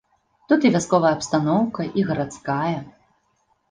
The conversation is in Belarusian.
Тут і вясковая абстаноўка і гарадская.